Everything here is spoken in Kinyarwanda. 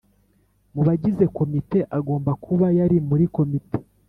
Mu bagize komite agomba kuba yari muri komite